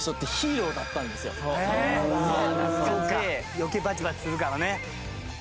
余計バチバチするからね。